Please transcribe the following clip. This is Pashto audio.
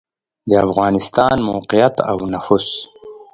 د افغانستان موقعیت او نفوس